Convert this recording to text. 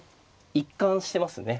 一貫してますね。